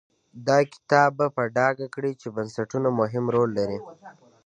دا کتاب به په ډاګه کړي چې بنسټونه مهم رول لري.